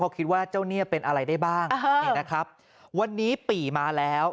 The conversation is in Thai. เพราะคิดว่าเจ้าเนี่ยเป็นอะไรได้บ้างเนี่ยนะครับวันนี้ปี่มาแล้ว